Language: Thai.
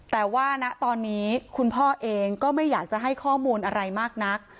แต่ว่าณตอนนี้คุณพ่อเองก็ไม่อยากจะให้ข้อมูลอะไรมากนัก